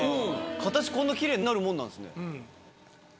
形こんなきれいになるものなんですね。